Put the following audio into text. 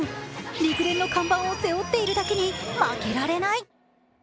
陸連の看板を背負っているだけに負けられない！